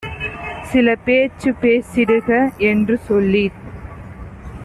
சிலபேச்சுப் பேசிடுக" என்றுசொல்லித்